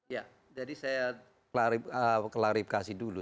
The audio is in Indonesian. ya jadi saya klarifikasi dulu